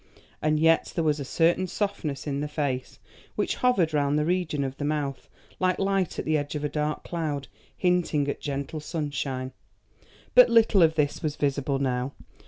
And yet there was a certain softness in the face, which hovered round the region of the mouth like light at the edge of a dark cloud, hinting at gentle sunshine. But little of this was visible now.